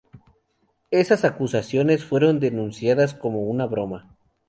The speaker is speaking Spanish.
Esas acusaciones fueron denunciadas como una broma.